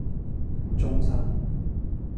中山